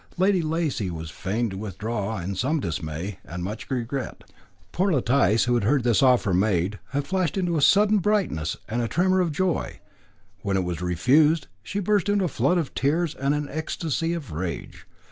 Lady Lacy was fain to withdraw in some dismay and much regret. Poor Letice, who had heard this offer made, had flashed into sudden brightness and a tremor of joy; when it was refused, she burst into a flood of tears and an ecstasy of rage.